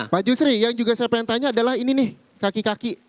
pak jusri yang juga saya pengen tanya adalah ini nih kaki kaki